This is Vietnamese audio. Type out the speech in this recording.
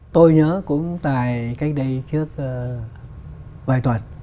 tôi nhớ cũng tại cách đây trước vài tuần